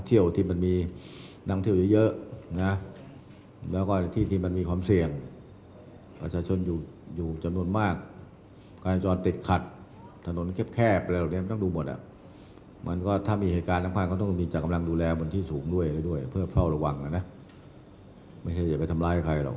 ที่สูงด้วยด้วยเพื่อเฝ้าระวังนะไม่ใช่อย่าไปทำร้ายใครหรอก